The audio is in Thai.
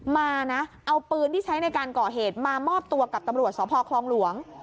มานะเอาปืนที่ใช้ในการก่อเหตุมามอบตัวกับตำรวจสพคลองหลวง